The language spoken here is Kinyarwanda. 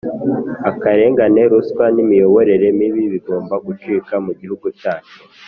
Akarengane ruswa nimiyoborere mibi bigomba gucika mugihugu cyacu